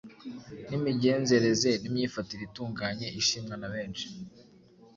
nimigenzereze n'imyifatire itunganye, ishimwa na benshi.